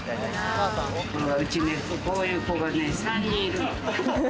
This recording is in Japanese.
今うち、こういう子が３人いる。